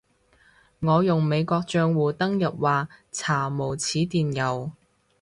我用美國帳戶登入話查無此電郵